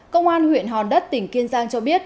công an huyện hòn đất tỉnh kiên giang cho biết